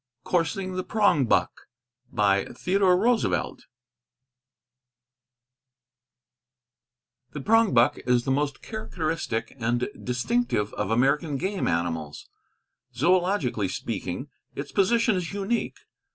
_ Coursing the Prongbuck The prongbuck is the most characteristic and distinctive of American game animals. Zoölogically speaking, its position is unique.